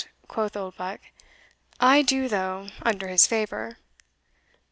quoth Oldbuck; "I do though, under his favour.